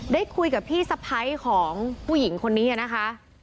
ได้คุยกับพี่สะพ้ายของผู้หญิงคนนี้นะคะ